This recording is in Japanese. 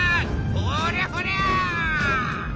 ほりゃほりゃ！